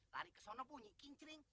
tarik kesono bunyi kincring